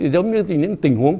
giống như những tình huống